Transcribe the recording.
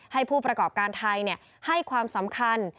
ให้ผู้ประกอบการไทยให้ความสำคัญ